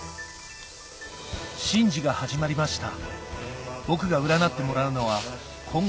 神事が始まりました